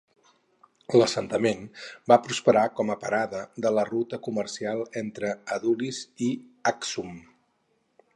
L'assentament va prosperar com a parada de la ruta comercial entre Adulis i Aksum.